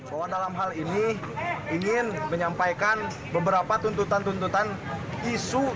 bahwa dalam hal ini ingin menyampaikan beberapa tuntutan tuntutan isu